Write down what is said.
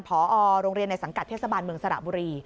พอโรงเรียนในสังกัดเทศบาลเมืองสระบุรี